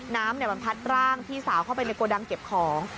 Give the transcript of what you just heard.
น้ำมันพัดร่างพี่สาวเข้าไปในโกดังเก็บของ